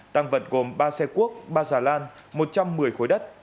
tăng vật gồm ba xe cuốc ba xà lan một trăm một mươi khối đất